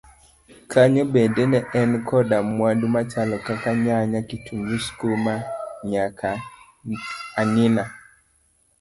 kanyo bende ne en koda mwandu machalo kaka nyanya, kitungu, skuma nyaka ang'ina.